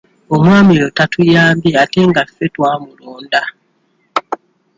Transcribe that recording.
Omwami oyo tatuyambye ate nga ffe twamulonda.